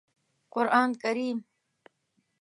قرآن کریم